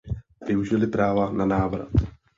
Využili "práva na návrat".